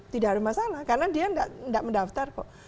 tidak ada masalah karena dia tidak mendaftar kok